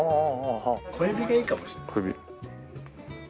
小指がいいかもしれないです。